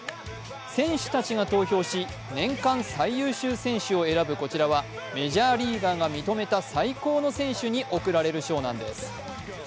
選手たちが投票し年間最優秀選手を選ぶこちらはメジャーリーガーが認めた最高の選手に贈られる賞なんです。